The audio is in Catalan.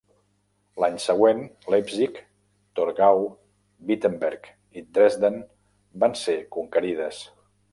L'any següent, Leipzig, Torgau, Wittenberg i Dresden van ser conquerides.